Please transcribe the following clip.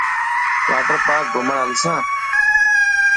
واٽر پارڪ گهمڻ هلسان.